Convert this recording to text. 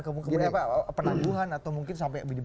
kemudian apa peneguhan atau mungkin sampai dibangkakan